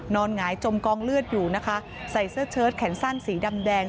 หงายจมกองเลือดอยู่นะคะใส่เสื้อเชิดแขนสั้นสีดำแดง